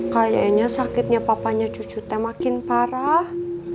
kayaknya sakitnya papanya cucutnya makin parah